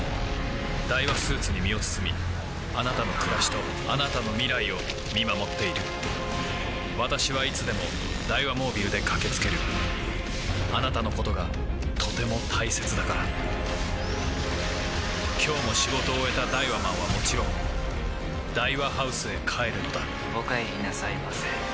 ダイワスーツに身を包みあなたの暮らしとあなたの未来を見守っている私はいつでもダイワモービルで駆け付けるあなたのことがとても大切だから今日も仕事を終えたダイワマンはもちろんダイワハウスへ帰るのだお帰りなさいませ。